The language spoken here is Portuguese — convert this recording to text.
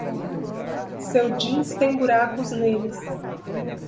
Seu jeans tem buracos neles.